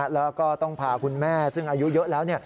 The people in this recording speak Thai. แล้วก็ต้องพาคุณแม่ซึ่งอายุเยอะแล้ว